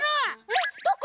えっどこ？